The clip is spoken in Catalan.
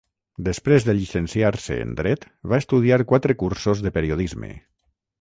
Després de llicenciar-se en Dret, va estudiar quatre cursos de Periodisme.